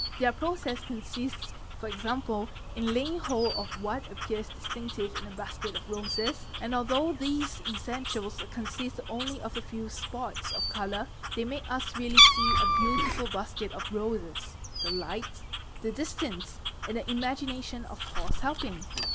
Their process consists for example in laying hold of what appears dis tinctive in a basket of roses, and although these essentials consist only of — a few spots of colour they make us really see a beautiful basket of roses, the light, the distance, and the imagination of course helping.